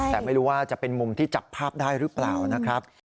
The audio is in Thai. แต่ไม่รู้ว่าจะเป็นมุมที่จับภาพได้หรือเปล่านะครับ